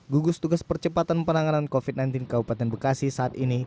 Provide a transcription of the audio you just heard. gugus tugas percepatan penanganan covid sembilan belas kabupaten bekasi saat ini